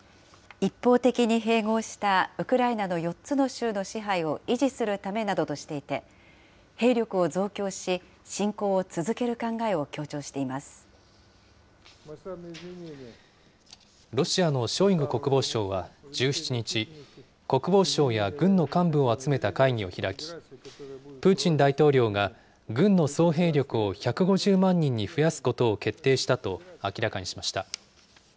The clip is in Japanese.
一方的に併合したウクライナの４つの州の支配を維持するためなどとしていて、兵力を増強し、侵攻を続ける考えを強調していまロシアのショイグ国防相は１７日、国防省や軍の幹部を集めた会議を開き、プーチン大統領が軍の総兵力を１５０万人に増やすことを決定したと明らかにしました。